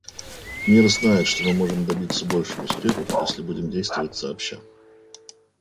Мир знает, что мы сможем добиться больших успехов, если будем действовать сообща.